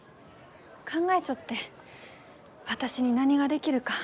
考えちょって私に何ができるか。